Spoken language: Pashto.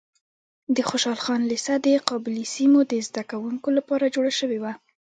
د خوشحال خان لیسه د قبایلي سیمو د زده کوونکو لپاره جوړه شوې وه.